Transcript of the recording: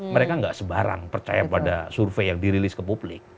mereka nggak sebarang percaya pada survei yang dirilis ke publik